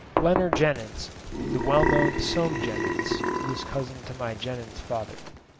Leonard Jenyns (The well known Soame Jenyns was cousin to Mr. Jenyns' father.)